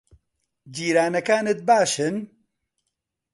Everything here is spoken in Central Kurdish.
جیرانەکانت باشن؟